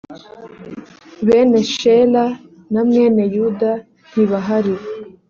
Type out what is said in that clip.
bene shela na mwene yuda ntibahari.